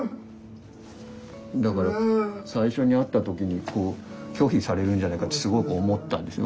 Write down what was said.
だから最初に会った時に拒否されるんじゃないかってすごく思ったんですよ。